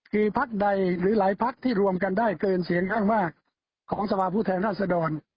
คือพักใดหรือหลายพักที่รวมกันได้เกินเสียงข้างมากของสภาพผู้แทนราชดร